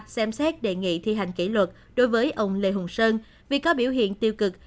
xem xét đề nghị thi hành kỷ luật đối với ông lê hùng sơn vì có biểu hiện tiêu cực